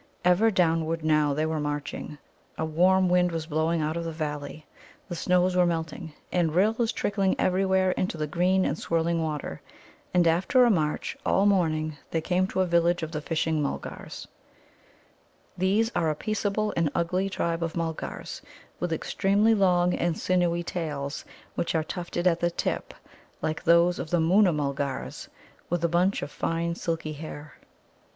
Ever downward now they were marching. A warm wind was blowing out of the valley, the snows were melting, and rills trickling everywhere into the green and swirling water. And after a march all morning, they came to a village of the Fishing mulgars. These are a peaceable and ugly tribe of Mulgars, with extremely long and sinewy tails, which are tufted at the tip, like those of the Moona mulgars, with a bunch of fine silky hair.